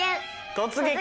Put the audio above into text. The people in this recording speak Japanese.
「突撃！